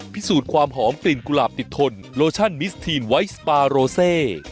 พิสูจน์ความหอมกลิ่นกุหลาบติดทนโลชั่นมิสทีนไวท์สปาโรเซ